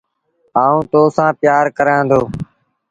آئوٚݩ تو سآݩ پيآر ڪرآݩ دو۔